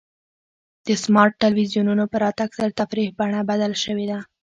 د سمارټ ټلویزیونونو په راتګ سره د تفریح بڼه بدله شوې ده.